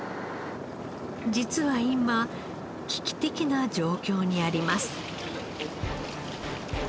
実は今危機的な状況にあります。